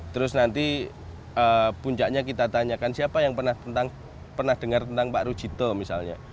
terus nanti puncaknya kita tanyakan siapa yang pernah dengar tentang pak rujito misalnya